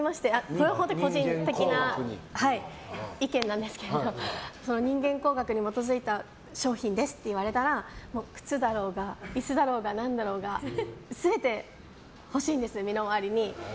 これは本当に個人的な意見なんですけど人間工学に基づいた商品ですっていわれたら靴だろうが椅子だろうが何だろうが全て欲しいんです、身の回りに。